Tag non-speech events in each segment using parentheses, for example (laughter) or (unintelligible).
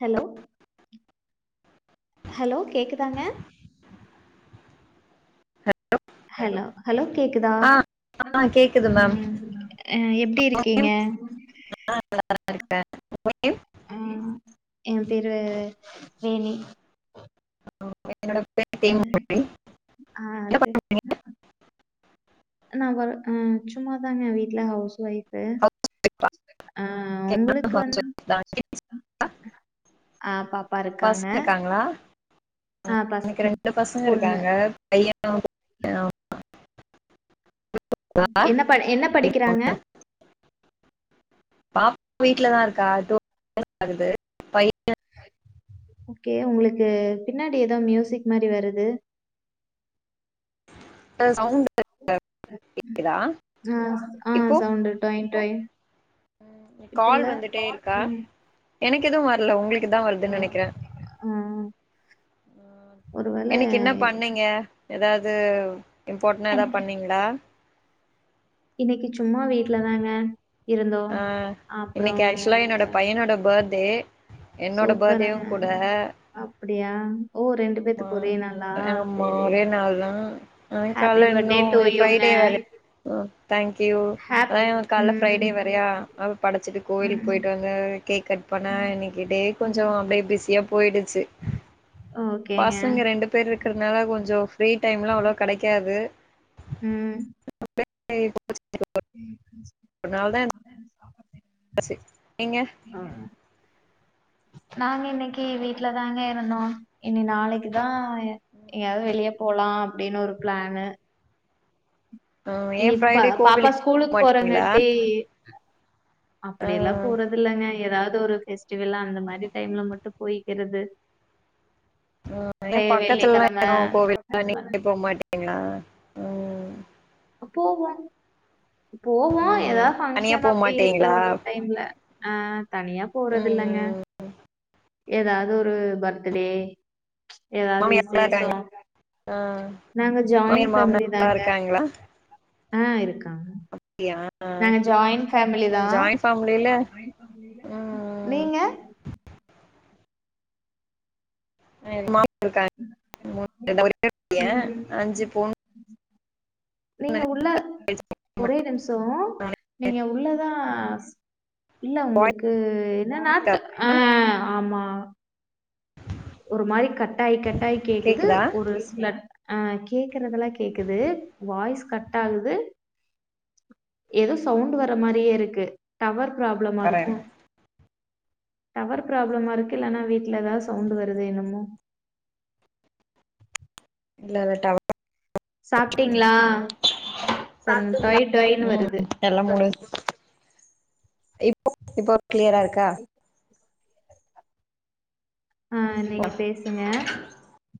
Hello hello கேக்குதாங்க hello hello கேக்குதா ஆ ஆ கேக்குது மேம் ம் ஆ எப்டி இருக்கீங்க நல்லா இருக்க (unintelligible) அ என் பேரு வேணி ஆ (unintelligible) நான் வ சும்மாதாங்க வீட்ல ஹவுஸ் ஒய்பு ஹவுஸ் ஒய்ஃபா ஆ உங்களுக்கு ஹவுஸ் வந்து ஒய்ஃப் தான் கிட்ஸ் ஆ பா பசங்க இருக்காங்களா ஆ பஸ் எனக்கு ரெண்டு பசங்க பொண்ணு இருக்காங்க பைய என்ன ப என்ன படிக்கிறாங்க (unintelligible) (unintelligible) பாப்பா வீட்ல தான் இருக்கா (unintelligible) ஆகுது பையன் ஓகே உங்களுக்கு பின்னாடி ஏதோ மியூசிக் மாதிரி வருது பையன் சவுண்ட் கேக்குதா ஆ ஆ இப்போ சவுண்டட்டோயட்டுய் கால் வந்துட்டே இருக்கா எனக்கு எதுவும் வரல உங்களுக்கு தான் வருதுன்னு ஆ நினைக்கிறே ஆ இன்னைக்கு ஒருவேள என்ன பண்ணீங்க ஏதாவது இது இம்பார்டன் ஏதாவது பண்ணீங்களா இன்னைக்கு சும்மா வீட்ல தாங்க இருந்தோம் ஆ இன்னைக்கு அப்புறம் ஆக்சுவலா என்னோட பையனோட பர்த்டே என்னோட பர்த்டேவு சூப்பர்ங்க கூட அப்படியா ஓ ரெண்டு ஆமா பேத்துக்கு ஒரே நாளா ஆமா சரி ஒரே நாள் தா ஆ ஹாப்பி கால்ல இன்னு பர்த்டே டூ யூ ங்க ஃப்ரைடே வேற தேங்க்யூ அதனான் கால (unintelligible) டே ம். வரையா அவ படைச்சிட்டு கோயிலுக்கு ம். போயிட்டு வந்த கேக் கட் பன இன்னைக்கிட் டே கொஞ்சம் அப்படியே பிஸியா போயிடுச்சு ஓகேங்க. பசங்க ரெண்டு பேர் இருக்கிறதுனால கொஞ்சம் ஃப்ரீ டைம்லாம் அவ்வளவு கடைக்காது ம் (unintelligible) (inaudible) பசி நீங்க ஆ. நாங்க இன்னைக்கு வீட்ல தாங்க இருந்தோ இனி நாளைக்குதான் எங்கயாவது வெளியே போலாம் அப்படின்னு ஒரு பிளான்ு ஆ ஏ இனிப்ப ஃப்ரைடே பாப்பா கோவிலுக்கு போ ஸ்கூலுக்கு மாட்டீங்களா போறங்கட்டி ஆ அப்படியெல்லாம் போறது இல்லங்க ஏதாவது ஒரு பெஸ்டிவல்லா அந்த மாதிரி டைம்ல மட்டும் போய்க்கிறது ஆ ரே ஏன் பக்கத்துலல்லா வெள்ளிக்கிழம ஏதும் கோவில் எல்லாம் நீங்கலே போ மாட்டிங்களா போவோம் போவோம் ம் ஏதா தனியா பங்க்ஷன் போ அப்படி இருக்க மாட்டீங்களா ஒரு டைம்ல ஆ தனியா போறது இல்லங்க ம் ஏதாவது ஒரு பர்த்டே ஏதாவது மாமியார் நல்லா விசேஷ இருக்காங்க ஆ நாங்க ஜாயிண்ட் மாமியார் மாமனார் ஃபேமிலி நல்லா தாங்க இருக்காங்களா ஆ இருக்கான் அப்படியா நாங்க ஜாய்ண்பேமிலி தா ஜாயிண்ட் ஃபேமிலில ம் நீங்க மாமியார் இருக்காங்க ஒரே ஒரு பையன் அஞ்சு பொண்ணு நீங்க உள்ள ஒரே நிமிஷம் மட்டும்தான். நீங்க உள்ளதான் இல்ல வாய்ஸ் உங்களுக்கு என்ன நாட் ஆ ஆமா ஒரு மாதிரி கட்டாய் கட்டாய் கேக்குது கேக்குதா ஒரு அ கேக்குறதெல்லாம் கேக்குது வாய்ஸ் கட் ஆகுது ஏதோ சவுண்ட் வர மாரியே இருக்கு டவர் ப்ராப்ளமா வரேன் இருக்கும் டவர் ப்ராப்ளமா இருக்கு இல்லன்னா வீட்ல ஏதாவது சவுண்ட் வருது அது என்னுமோ இல்ல இல்ல டவ (inaudible) சாப்ட்டிங்ளா சாப்டிங்களா ம் எல்லா முடின்ச்சு இப்போ இப்ப கிளியரா இருக்கா ஆ நீங்க பேசுங்க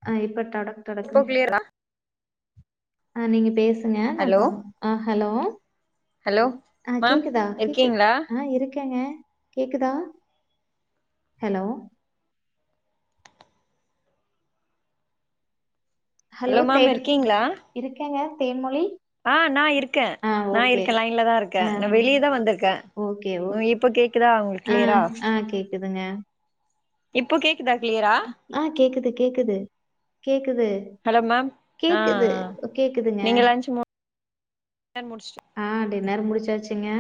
ஆ இப்ப டொடக் இப்போ டொடக்குன் கிளியரா அ நீங்க பேசுங்க நா ஹலோ இப்ப ஆ ஹலோ ஹலோ அ மேம் கேக்குதா கேக்கு இருக்கீங்களா அ இருக் க்கேங்க கேக்குதா ஹலோ ஹலோ மேம் தேன் இருக்கீங்களா இருக்கேங்க தேன்மொழி ஆ நா இருக்கே ஆ நா ஓகே இருக்கே லைன்லதா இருக்கே ஆ நா வெளிய தா வந்துருக்கே ஓகே ம் ஓகே இப்ப கேக்குதா உங்ளுக்கு ஆ கிளியரா ஆ கேக்குதுங்க இப்போ கேக்குதா கிளியரா ஆ கேக்குது கேக்கு க்குது ஹலோ மேம் ஆ கேக்குது ஆ கேக்குதுங்க டின்னர் முடிச் டின்னெர் முடிச்சாச்சுங்க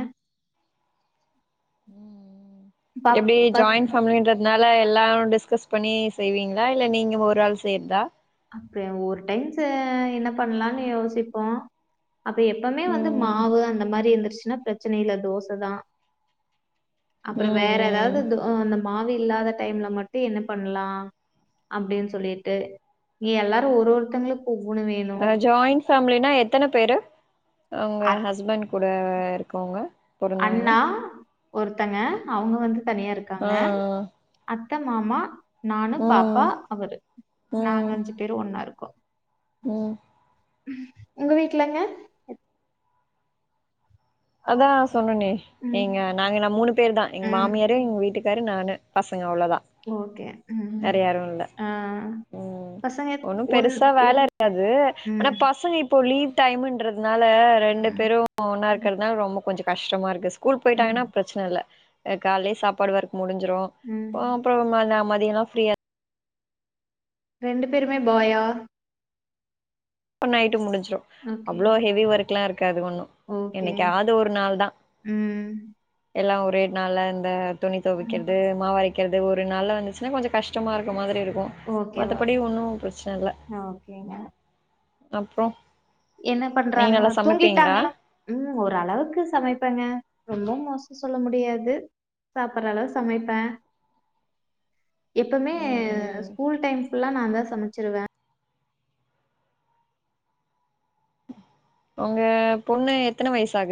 ம் பப் எப்டி பஸ் ஜாயின் ஃபேமிலின்றதுனா ல எல்லா டிஸ்கஸ் பண்ணி செய்வீங்ளா இல்ல நீங்க ஒரு ஆள் செய்றதா அப்டி ஒரு டைம்சு என்ன பண்ணலான் யோசிப்போ அப்ப எப்பமே வந்து ம் மாவு அந்த மாரி இருந்துர்ச்சுன்னா பிரச்சன இல்ல தோச தா ம் அப்றம் வேற எதாது ம் தோ அந்த மாவே இல்லாத டைம்ல மட்டு என்ன பண்லா அப்டின் சொல்லிட்டு இங்க எல்லாரு ஒரு ஒருத்தங்களுக்கு ஒவ்வொன்னு வேணு அ ஜாயிண்ட் ஃபேமிலினா எத்தன பேரு ஒங்க அத் ஹஸ்பண்ட் கூட இருக்கவங்க பொறந்தவங்க அண்ணா ஒருத்தங்க அவங்க வந்து ஆ தனியாருக்காங்க அத்த மாமா நானு ஆ பாப்பா ம் அவரு நாங்க ம் அஞ்சு பேரு ஒன்னாருக் ம் உங்க வீட்லங்க அதா சொன்னனே ம் நீங்க நாங்க மூணு பேர் தா எங்க ம் மாமியாரு எங்க வீட்டுக்காரு நானு (inaudible) அவ்ளதா ஓகே. ம். வேற யாரு இல்ல ஆ ம் பசங்க ஒன்னு ஒன் பெருசா ஒரு வேலருக்காது ஆனா ம். பசங்க இப்போ லீவ் டைமுன்றதுனால ரெண்டு ம். பேரூ ஒன்னாரு ரொம்ப கொஞ்சோ கஷ்டமாருக்கு ஸ்கூல் ம். போய்ட்டாங்னா ப்ரச்சன இல்ல கால்லே சாப்பாடு ஒர்க் முடிஞ்சிரூ ம். ஆ அப்றோ நா மதியோலா ஃப்ரீயா ரெண்டு பேருமே பாயா ப்ப நைட்டு முடிஞ்சு (unintelligible) ஓகே. அவ்ளோ ஹெவி ஒர்க்லா இருக்காது ஒன்னு ஓகே. என்னைக்காவது ஒரு நாள் தா ம். எல்லா ஒ ரு நாள்ல‌ இந்த துணி ம். தொவைக்றது மாவரைக்குறது ஒரு நாள்ல வந்துச்சுன்னா கொஞ்சோ கஷ்டமாருக்க மாதிரி இருக் கு ஓகே. ஓ மத்தபடி ஒன்னு‌ ப்ரச்சன இல்ல ஓகேங்க. அப்றோ என்ன நீங்க பண்றாங்கா நல்லா சமைப்பீங்களா தூங்கிட்டாங்களா ம் ஓரளவுக்கு சமைப்பேங்க ரொம்ப மோசோ சொல்ல முடியாது சாப்புற அளவு சமைப்பே எப்பமே ம் ம் ஸ்கூல் டைம் ஃபுல்லா நா தா சமைச்சிருவே உங்க பொண்ணு எத்தன வயசு ஆகு